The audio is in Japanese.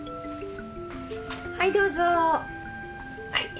はいどうぞ。